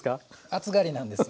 熱がりなんです。